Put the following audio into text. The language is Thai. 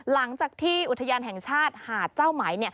หลังจากที่อุทยานแห่งชาติหาดเจ้าไหม